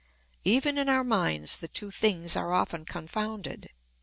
Even in our minds the two things are often confounded.